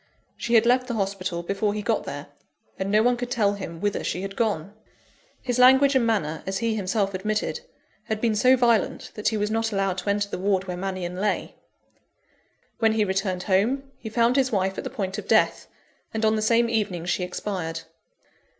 She had left the hospital before he got there; and no one could tell him whither she had gone. His language and manner, as he himself admitted, had been so violent that he was not allowed to enter the ward where Mannion lay. When he returned home, he found his wife at the point of death; and on the same evening she expired.